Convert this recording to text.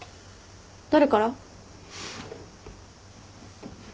誰から？